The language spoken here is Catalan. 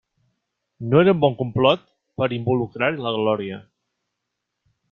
No era un bon complot per involucrar-hi la Glòria!